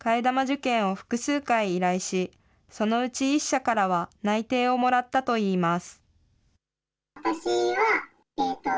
有名大学に通う友人に、替え玉受検を複数回依頼し、そのうち１社からは内定をもらったといいます。